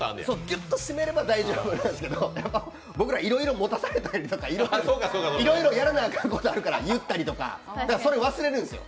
ギュッと締めれば大丈夫なんですけど僕ら、いろいろ持たされたりいろいろやらなあかんことあるから言ったりとか、それ、忘れるんですよ。